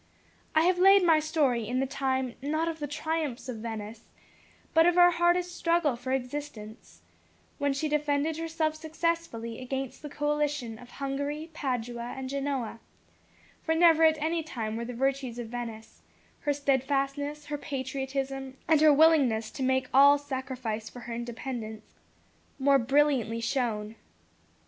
I have laid my story in the time not of the triumphs of Venice, but of her hardest struggle for existence when she defended herself successfully against the coalition of Hungary, Padua, and Genoa for never at any time were the virtues of Venice, her steadfastness, her patriotism, and her willingness to make all sacrifice for her independence, more brilliantly shown.